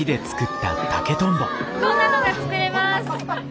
こんなのが作れます。